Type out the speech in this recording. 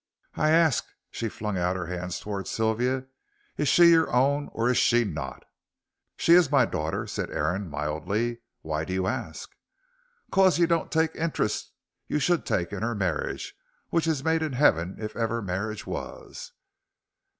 I arsk" she flung out her hand towards Sylvia "Is she your own or is she not?" "She is my daughter," said Aaron, mildly. "Why do you ask?" "'Cause you don't take interest you should take in her marriage, which is made in heaven if ever marriage was."